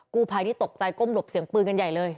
กู้ภัยนี่ตกใจก้มหลบเสียงปืนกันใหญ่เลย